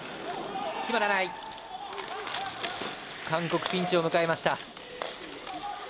韓国、ピンチを迎えました。